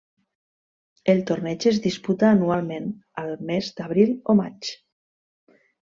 El torneig es disputa anualment el mes d'abril o maig.